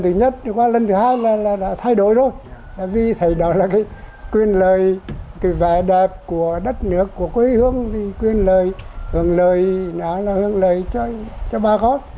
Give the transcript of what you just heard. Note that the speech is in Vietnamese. chúng tôi quyền lời vẻ đẹp của đất nước của quê hương quyền lời hưởng lời hưởng lời cho ba con